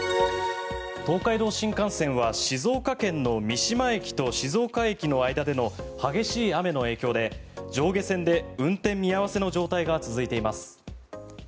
東海道新幹線は静岡県の三島駅と静岡駅の間での激しい雨の影響で上下線で運転見合わせの状態が続いています。